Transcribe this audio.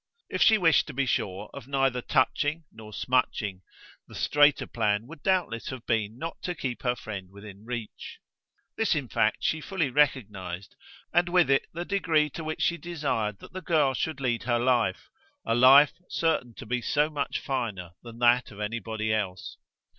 If she wished to be sure of neither touching nor smutching, the straighter plan would doubtless have been not to keep her friend within reach. This in fact she fully recognised, and with it the degree to which she desired that the girl should lead her life, a life certain to be so much finer than that of anybody else.